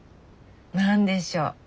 何でしょう？